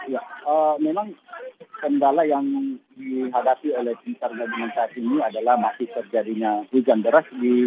ya memang kendala yang dihadapi oleh tim sargabungan saat ini adalah masih terjadinya hujan deras